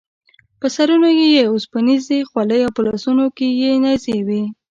په سرونو یې اوسپنیزې خولۍ او په لاسونو کې یې نیزې وې.